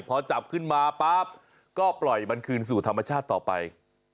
พอจับขึ้นมาปั๊บก็ปล่อยมันคืนสู่ธรรมชาติต่อไป